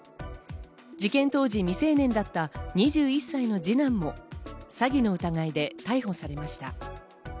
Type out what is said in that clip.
事件当時未成年だった２１歳の二男も詐欺の疑いで逮捕されました。